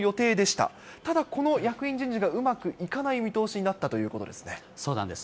ただこの役員人事がうまくいかない見通しになったということですそうなんです。